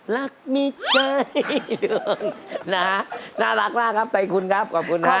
นะฮะน้ารักมากครับตรายคุณครับขอบคุณนะ